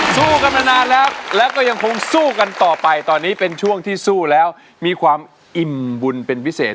สู้กันมานานแล้วแล้วก็ยังคงสู้กันต่อไปตอนนี้เป็นช่วงที่สู้แล้วมีความอิ่มบุญเป็นพิเศษ